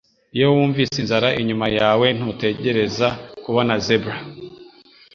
Iyo wunvise inzara inyuma yawe ntutegereze kubona zebra